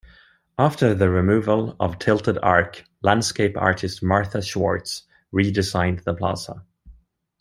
After the removal of "Tilted Arc", landscape artist Martha Schwartz re-designed the plaza.